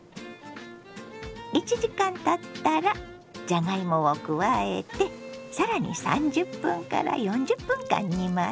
１時間たったらじゃがいもを加えて更に３０分から４０分間煮ます。